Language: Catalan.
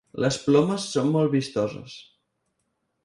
Les plomes són molt vistoses.